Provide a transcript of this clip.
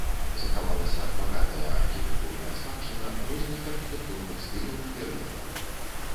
Захавалася багатая архітэктурная спадчына розных архітэктурных стыляў і перыядаў.